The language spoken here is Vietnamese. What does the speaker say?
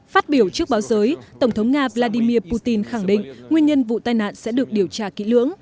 phát biểu trước báo giới tổng thống nga vladimir putin khẳng định nguyên nhân vụ tai nạn sẽ được điều tra kỹ lưỡng